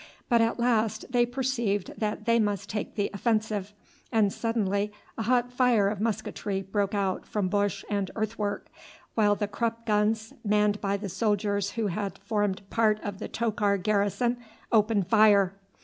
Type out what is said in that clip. But at last they perceived that they must take the offensive, and suddenly a hot fire of musketry broke out from bush and earthwork, while the Krupp guns, manned by the soldiers who had formed part of the Tokar garrison, opened fire.